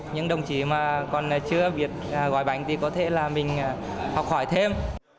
những đồng chí mà còn chưa biết gói bánh thì có thể là mình học hỏi thêm